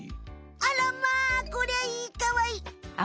あらまこりゃいいかわいい！